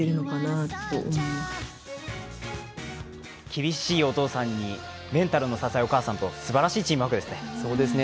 厳しいお父さんにメンタルを支えるお母さんとすばらしいチームワークですね。